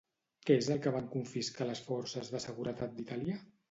Què és el que van confiscar les forces de seguretat d'Itàlia?